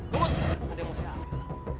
tunggu sebentar andai mau saya ambil